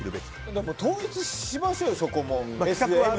でも、統一しましょうよそこも。